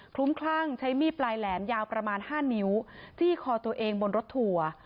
ลุ้มคลั่งใช้มีดปลายแหลมยาวประมาณ๕นิ้วจี้คอตัวเองบนรถทัวร์